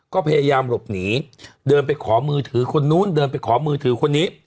ก็พยายามหลบหนีเดินไปขอมือถือคนนู้นเดินไปขอมือถือคนนี้